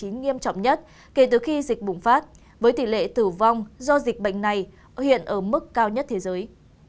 hồng kông đang trải qua làn sóng lây nhiễm covid một mươi chín nghiêm trọng nhất kể từ khi dịch bùng phát với tỷ lệ tử vong do dịch bệnh này hiện ở mức cao nhất thế giới